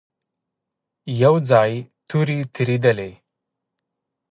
يو ځای تورې تېرېدلې.